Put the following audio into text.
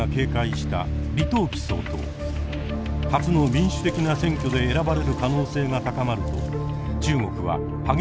初の民主的な選挙で選ばれる可能性が高まると中国は激しく反発しました。